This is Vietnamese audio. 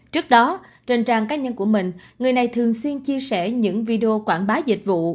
trước đó trên trang cá nhân của mình người này thường xuyên chia sẻ những video quảng bá dịch vụ